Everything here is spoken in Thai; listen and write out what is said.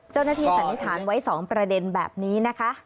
เจ้าหน้าที่สัญญาธารไว้๒ประเด็นแบบนี้นะคะ